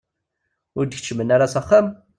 Ur d-keččmen ara s axxam?